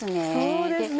そうですね。